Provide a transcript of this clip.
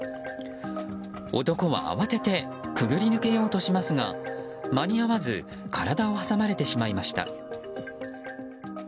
男は慌ててくぐり抜けようとしますが間に合わず体を挟まれてしまいました。